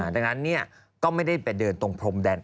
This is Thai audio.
ดังนั้นก็ไม่ได้ไปเดินตรงพรมแดน